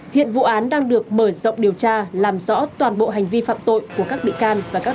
hiện vụ án đang được mở rộng điều tra làm rõ toàn bộ hành vi phạm tội của các bị can